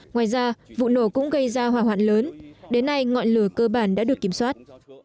ngoài ra vụ nổ cũng gây ra hỏa hoạn lớn đến nay ngọn lửa cơ bản đã được kiểm soát